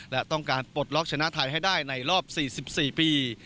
และต้องการปลดล็อกชนะไทยให้ได้ในรอบ๔๔ปี